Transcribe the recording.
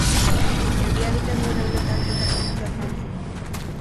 Euria egiten duen egunetan ez dakizu zer jantzi?